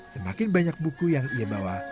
semakin banyak buku yang ia bawa